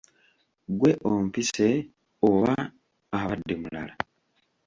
Ggwe ompise oba abadde mulala?